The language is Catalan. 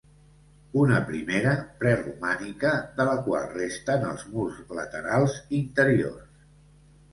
Una primera, preromànica, de la qual resten els murs laterals interiors.